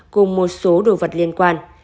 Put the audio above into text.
cùng một số đồ vật liên quan